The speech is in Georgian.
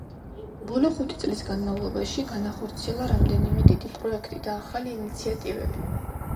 ბოლო ხუთი წლის განმავლობაში განახორციელა რამდენიმე დიდი პროექტი და ახალი ინიციატივები.